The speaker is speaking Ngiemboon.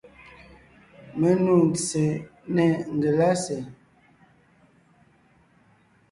Mé nû ntse nê ngelásè.